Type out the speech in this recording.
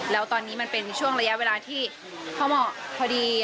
แล้วตอนนี้มันเป็นช่วงระยะเวลาที่พอเหมาะพอดี